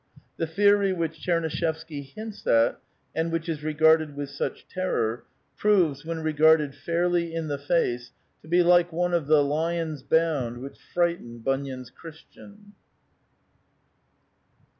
The theory which Tchemuishevsky hints at, and which is regarded with such terror, proves, when regarded fairly in the face, to be like one of the lions bound, which frightened Bunyan*s Christian.